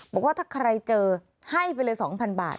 บอกว่าถ้าใครเจอให้ไปเลย๒๐๐บาท